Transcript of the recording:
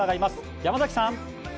山崎さん。